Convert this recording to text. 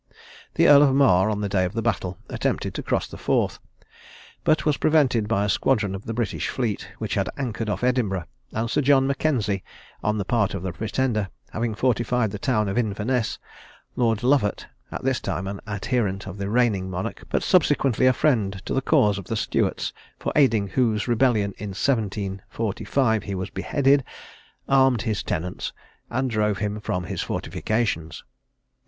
The Earl of Mar, on the day of the battle, attempted to cross the Forth, but was prevented by a squadron of the British fleet, which had anchored off Edinburgh; and Sir John Mackenzie, on the part of the Pretender, having fortified the town of Inverness, Lord Lovat, (at this time an adherent of the reigning monarch, but subsequently a friend to the cause of the Stuarts, for aiding whose rebellion in 1745 he was beheaded,) armed his tenants, and drove him from his fortifications.